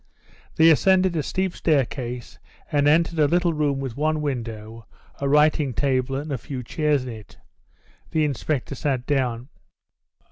They ascended a steep staircase and entered a little room with one window, a writing table, and a few chairs in it. The inspector sat down.